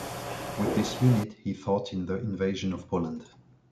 With this unit, he fought in the Invasion of Poland.